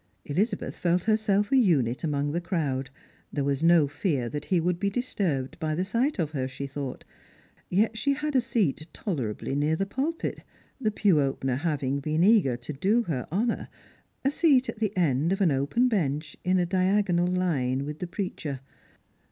Elizabeth felt her self a unit among the crowd. There was no fear that he would be disturbed by the sight of her, she thought ; yet she had a ieat tolerably near the pulpit — the pew opener having been eager to do her honour — a seat at the end of an open bench in a diagonal fine with the preacher.